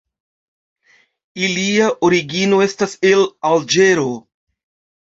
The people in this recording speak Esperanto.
Ilia origino estas el Alĝero.